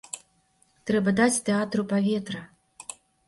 Трэба даць тэатру паветра.